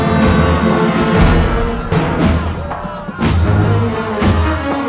selamat datang di indonesia